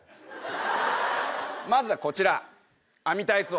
まずはこちら。